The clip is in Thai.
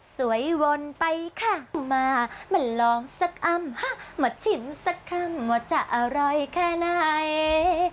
สวยวนไปข้ามมามาลองสักอ้ำฮะมาชิมสักคำว่าจะอร่อยแค่ไหน